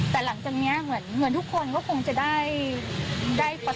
แต่หลังจากนี้เหมือนทุกคนก็คงจะได้